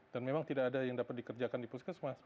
dan memang tidak ada yang dapat dikerjakan di puskes mas